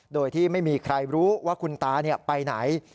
โดยที่ไม่มีใครรู้ว่าคุณตาไปไหน